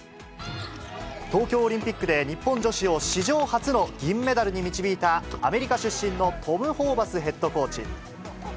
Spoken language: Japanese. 東京オリンピックで日本女子を史上初の銀メダルに導いた、アメリカ出身のトム・ホーバスヘッドコーチ。